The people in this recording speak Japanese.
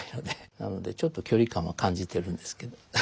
なのでちょっと距離感は感じてるんですけど。